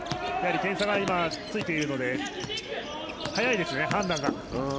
点差が今、ついてるので速いですね、判断が。